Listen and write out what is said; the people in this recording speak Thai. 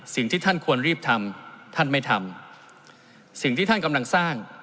สิ่งที่ท่านควรรีบทำท่านไม่ทำสิ่งที่ท่านกำลังสร้าง